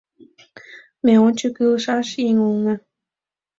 Ме ончык илышаш еҥ улына!